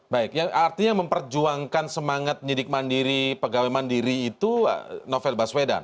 baik artinya memperjuangkan semangat penyidik mandiri pegawai mandiri itu novel baswedan